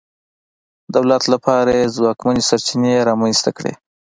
دولت لپاره یې ځواکمنې سرچینې رامنځته کړې.